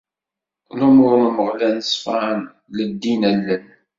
Lumuṛ n Umeɣlal ṣfan, leddin allen.